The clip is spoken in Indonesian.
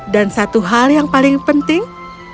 dan satu hal yang paling penting